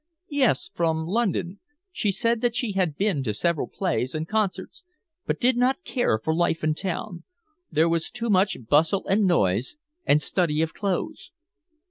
"Yes, from London. She said that she had been to several plays and concerts, but did not care for life in town. There was too much bustle and noise and study of clothes."